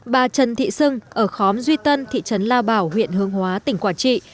bà trần thị sưng ở khóm duy tân thị trấn la bảo huyện hướng hóa tỉnh quảng trị